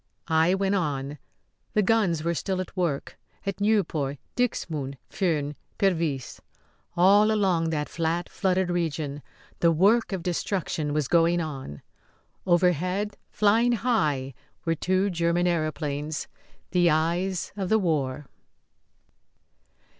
I went on. The guns were still at work. At Nieuport, Dixmude, Furnes, Pervyse all along that flat, flooded region the work of destruction was going on. Overhead, flying high, were two German aëroplanes the eyes of the war.